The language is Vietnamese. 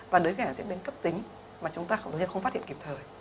và đối với cái diễn biến cấp tính mà chúng ta không phát hiện kịp thời